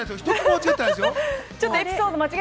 間違ってないですよ。